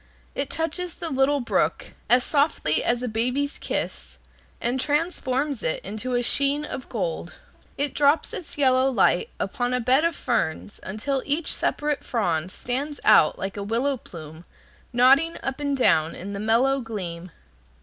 It touches the little brook as softly as a baby's kiss, and transforms it into a sheen of gold. It drops its yellow light upon a bed of ferns until each separate frond stands out like a willow plume nodding up and down in the mellow gleam.